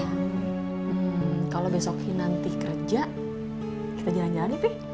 hmm kalau besok kinanti kerja kita jalan jalan ya pi